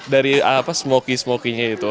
dari apa smokey smokenya itu